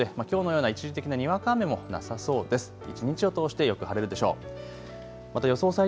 きょうのような一時的なにわか雨もなさそうです。